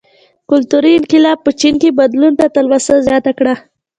کلتوري انقلاب په چین کې بدلون ته تلوسه زیاته کړه.